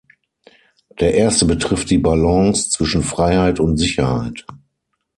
Der Erste betrifft die Balance zwischen Freiheit und Sicherheit.